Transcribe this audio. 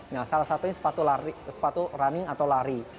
nah salah satunya sepatu running atau lari